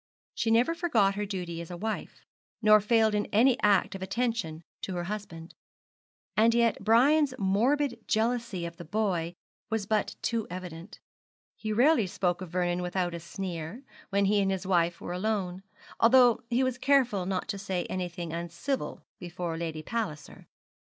She never forgot her duty as a wife, nor failed in any act of attention to her husband. And yet Brian's morbid jealousy of the boy was but too evident. He rarely spoke of Vernon without a sneer, when he and his wife were alone; although he was careful not to say anything uncivil before Lady Palliser.